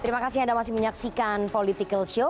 terima kasih anda masih menyaksikan political show